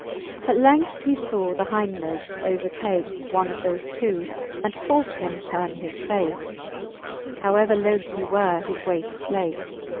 At length he faw the hindmoft overtake One of thofe two, and force him turne his face j How ever loth he were his way to flake.